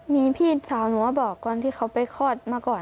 มีพี่สาวหนูมาบอกก่อนที่เขาไปคลอดมาก่อน